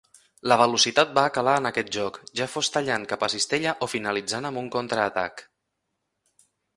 La velocitat va calar en aquest joc, ja fos tallant cap a cistella o finalitzant amb un contraatac.